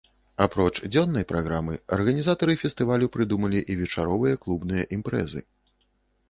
Апроч дзённай праграмы, арганізатары фестывалю прыдумалі і вечаровыя клубныя імпрэзы.